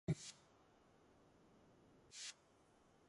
განამტკიცა პაპის ძალაუფლება ეკლესიაზე.